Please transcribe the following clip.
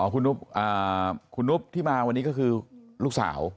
คุณนุ๊กที่มาวันนี้ก็คือลูกสาว